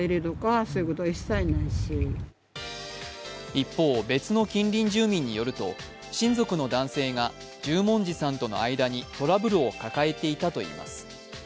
一方、別の近隣住民によると親族の男性が、十文字さんとの間にトラブルを抱えていたといいます。